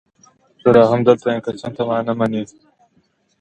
زه لا هم دلته یم، که څه هم ته ما نه وینې.